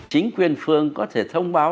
chính quyền phương có thể thông báo